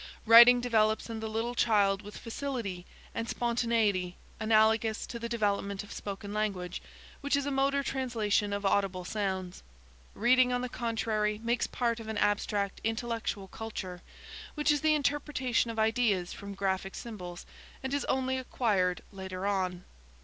Writing develops in the little child with facility and spontaneity, analogous to the development of spoken language–which is a motor translation of audible sounds. Reading, on the contrary, makes part of an abstract intellectual culture, which is the interpretation of ideas from graphic symbols, and is only acquired later on.